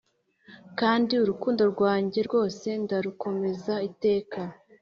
kandi urukundo rwanjye rwose ndarukomeza iteka